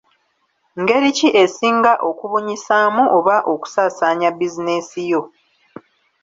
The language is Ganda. Ngeri ki esinga okubunyisaamu/okusasaanya bizinensi yo?